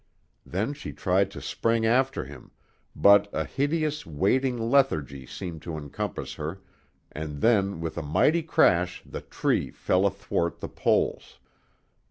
Then she tried to spring after him, but a hideous, waiting lethargy seemed to encompass her, and then with a mighty crash the tree fell athwart the poles.